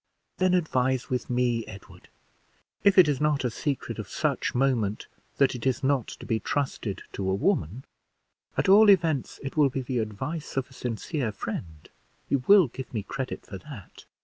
"Then advise with me, Edward, if it is not a secret of such moment that it is not to be trusted to a woman; at all events it will be the advice of a sincere friend; you will give me credit for that."